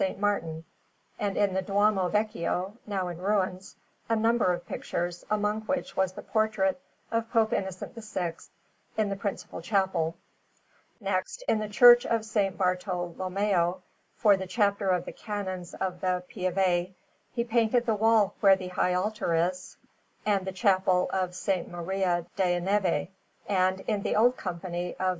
Martin, and in the Duomo Vecchio, now in ruins, a number of pictures, among which was the portrait of Pope Innocent VI, in the principal chapel. Next, in the Church of S. Bartolommeo, for the Chapter of the Canons of the Pieve, he painted the wall where the high altar is, and the Chapel of S. Maria della Neve; and in the old Company of S.